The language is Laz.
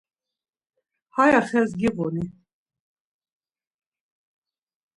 Haya xes giğuni?